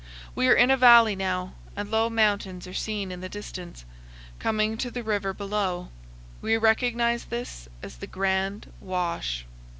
We are in a valley now, and low mountains are seen in the distance, coming to the river below. We recognize this as the Grand Wash.